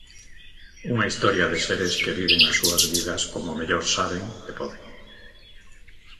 Unha historia de seres que viven as súas vidas como mellor saben e poden.